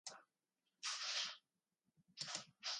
Kjer se veliki prepirajo, mali umirajo.